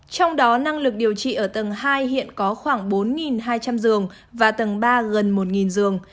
trong đó năng lực điều trị ở tầng hai hiện có khoảng bốn hai trăm linh giường và tầng ba gần một giường